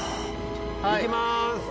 いきます。